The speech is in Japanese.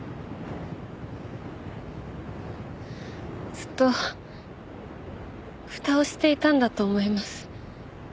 ずっとふたをしていたんだと思います。